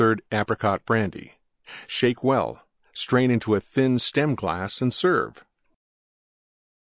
1/3 Apricot Brandy. Shake well; strain into thin Stem glass and serve.